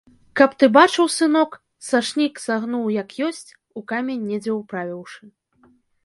Каб ты бачыў, сынок, сашнік сагнуў як ёсць, у камень недзе ўправіўшы.